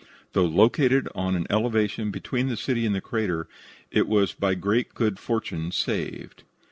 Though located on an elevation between the city and the crater, it was by great good fortune saved.